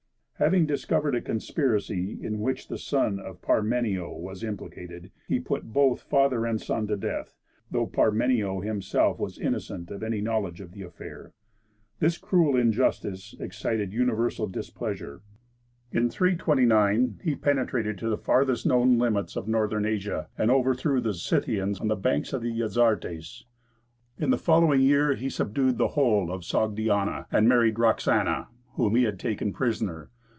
Having discovered a conspiracy in which the son of Parmenio was implicated, he put both father and son to death, though Parmenio himself was innocent of any knowledge of the affair. This cruel injustice excited universal displeasure. In 329 he penetrated to the farthest known limits of Northern Asia, and overthrew the Scythians on the banks of the Jaxartes. In the following year he subdued the whole of Sogdiana, and married Roxana, whom he had taken prisoner.